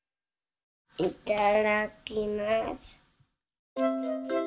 いただきます。